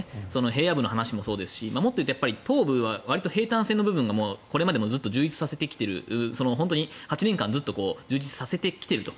平野部の話もそうですしもっと言うと東部はわりと兵たん線の部分がこれまでもずっと充実させてきている８年間ずっと充実させてきていると。